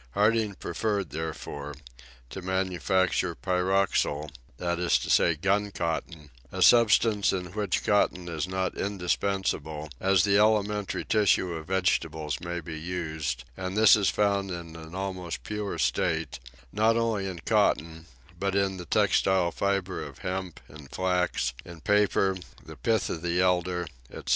Harding preferred, therefore, to manufacture pyroxyle, that is to say gun cotton, a substance in which cotton is not indispensable, as the elementary tissue of vegetables may be used, and this is found in an almost pure state, not only in cotton, but in the textile fiber of hemp and flax, in paper, the pith of the elder, etc.